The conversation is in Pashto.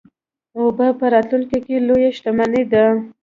اوبه په راتلونکي کې لویه شتمني ده.